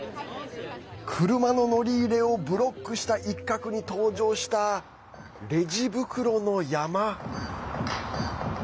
車の乗り入れをブロックした一角に登場した、レジ袋の山。